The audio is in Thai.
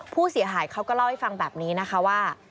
ผู้เสียหายเขาก็เล่าให้ฟังแบบนี้นะคะว่า